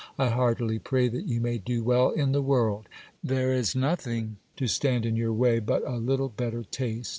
I heartily pray that you may do well in the world ! There is no thing to stand in your way, but a little better taste.